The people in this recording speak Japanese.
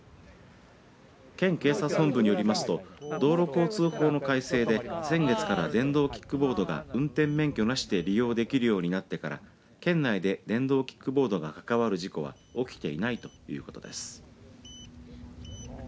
県警察本部によりますと道路交通法の改正で先月から電動キックボードが運転免許なしで利用できるようになってから県内で電動キックボードが関わる事故は起きていないということです。